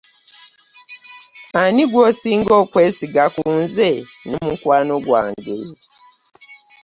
Ani gw'osinga okwesiga kunze ne mukwano gwange?